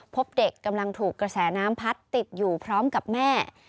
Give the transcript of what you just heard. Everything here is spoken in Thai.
พบเด็กกำลังถูกกระแสน้ำพัดติดอยู่พร้อมกับแม่